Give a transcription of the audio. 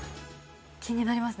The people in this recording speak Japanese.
気になりますね